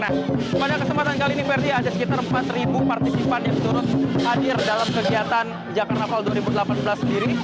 nah pada kesempatan kali ini verdi ada sekitar empat partisipan yang turut hadir dalam kegiatan jakarta fall dua ribu delapan belas sendiri